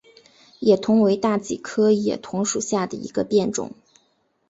野桐为大戟科野桐属下的一个变种。